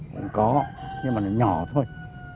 cũng có nhưng mà nó nhỏ thôi